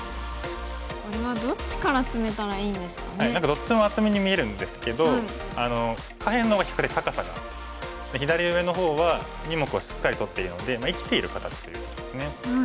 どっちも厚みに見えるんですけど下辺のはしっかり高さが左上の方は２目をしっかり取っているので生きている形ということですね。